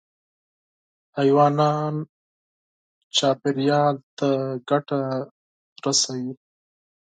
حیوانات چاپېریال ته ګټه رسوي.